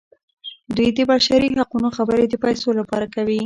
دوی د بشري حقونو خبرې د پیسو لپاره کوي.